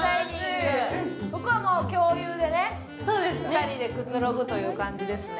ここは共有でね、２人でくつろぐという感じですね。